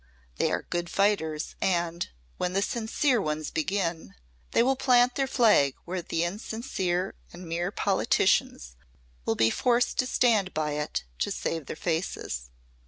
They are good fighters and, when the sincere ones begin, they will plant their flag where the insincere and mere politicians will be forced to stand by it to save their faces.